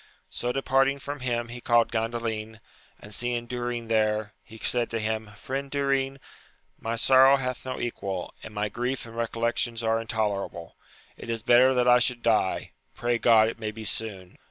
So departing from him, he called Gandalin, and seeing Durin there, he said to him. Friend Durin, my sorrow hath no equal, and my grief and recollections are intolerable : it is better that I should die : pray God it may be soon